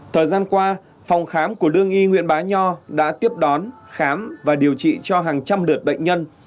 thời gian qua phòng khám của lương y nguyễn bá nho đã tiếp đón khám và điều trị cho hàng trăm lượt bệnh nhân